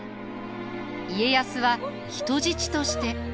家康は人質として。